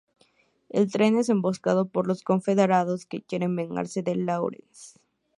El tren es emboscado por los Confederados, que quieren vengarse de Lawrence.